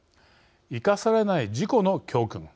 生かされない事故の教訓。